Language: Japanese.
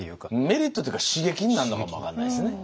メリットっていうか刺激になるのかも分かんないですね。